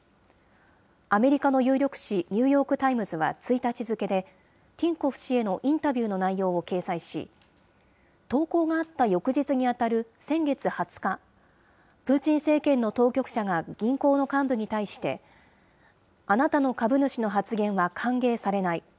アメリカの有力紙、ニューヨーク・タイムズは１日付で、ティンコフ氏へのインタビューの内容を掲載し、投稿があった翌日に当たる先月２０日、プーチン政権の当局者が銀行の幹部に対して、あなたの株主の発言は歓迎されない。